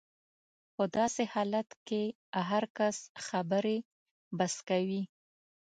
په داسې حالت کې هر کس خبرې بس کوي.